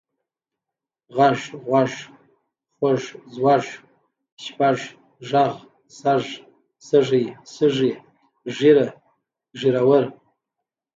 غږ، غوږ، خوَږ، ځوږ، شپږ، ږغ، سږ، سږی، سږي، ږېره، ږېروَر .